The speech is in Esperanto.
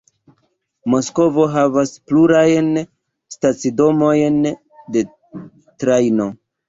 Moskvo havas plurajn stacidomojn de trajno.